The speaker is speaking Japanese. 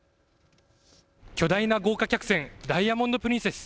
巨大な豪華客船、ダイヤモンド・プリンセス。